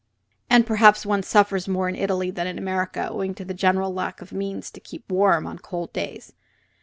And perhaps one suffers more in Italy than in America, owing to the general lack of means to keep warm on cold days.